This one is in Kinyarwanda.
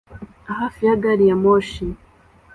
hafi ya gari ya moshi